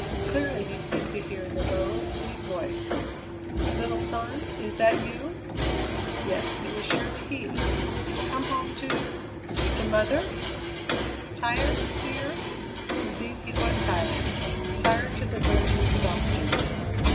Clearly he seemed to hear the low, sweet voice: "Little son, is that you?" Yes, it was surely he! "Come home to to mother? Tired, dear?" Indeed he was tired tired to the verge of exhaustion.